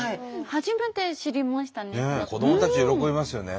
初めて知りましたね。